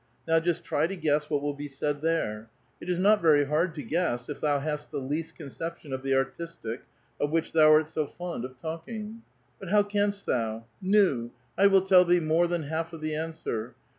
Now just try to guess what will bo said there ; it is not very hard to gness if thou hast the least conception of the aitistic, of which thou art so fond of talking. But how canst thou ? Nu ! I will tell thee more than half of the answer.